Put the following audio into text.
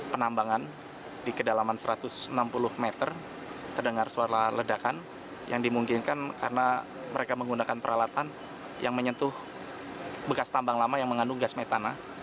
penambangan di kedalaman satu ratus enam puluh meter terdengar suara ledakan yang dimungkinkan karena mereka menggunakan peralatan yang menyentuh bekas tambang lama yang mengandung gas metana